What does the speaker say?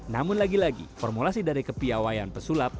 namun lagi lagi formulasi dari kepiawaian pesulap